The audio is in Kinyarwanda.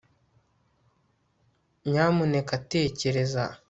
nyamuneka tekereza